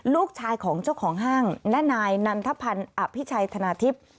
ลูกชายของเจ้าของห้างและนายนันทพันธ์อภิชัยธนาทิพย์